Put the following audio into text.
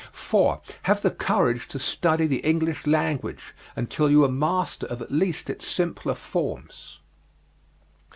4. Have the courage to study the English language until you are master of at least its simpler forms.